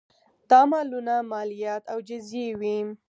دا مالونه مالیات او جزیې وې